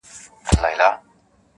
چي یې وکتل په غشي کي شهپر وو -